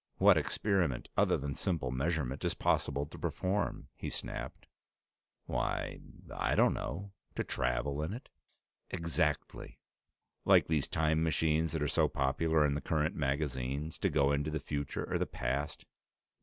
"What experiment, other than simple measurement, is it possible to perform?" he snapped. "Why I don't know. To travel in it?" "Exactly." "Like these time machines that are so popular in the current magazines? To go into the future or the past?"